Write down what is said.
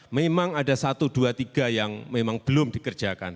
memang ada satu dua tiga yang memang belum dikerjakan